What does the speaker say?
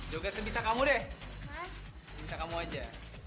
joket sebisa kamu deh kamu aja